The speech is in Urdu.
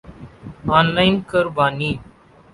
آن لائن قربانی